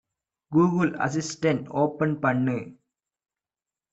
Google assistant open பண்ணு